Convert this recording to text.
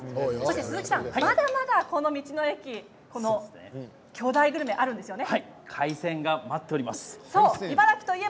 鈴木さん、まだまだこの道の駅巨大グルメがあるんですね。